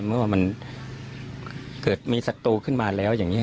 ไม่ว่ามันเกิดมีสัตว์ตัวขึ้นมาแล้วอย่างเงี้ย